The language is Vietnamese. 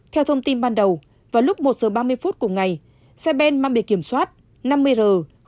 theo thông tin ban đầu vào lúc một giờ ba mươi phút của ngày xe ben mang bề kiểm soát năm mươi r ba nghìn năm mươi chín